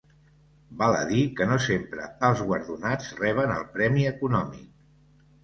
Val a dir que no sempre els guardonats reben el premi econòmic.